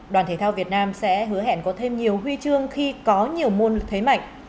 đoàn thể thao việt nam sẽ hứa hẹn có thêm nhiều huy chương khi có nhiều môn thế mạnh